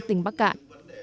tỉnh bắc cạn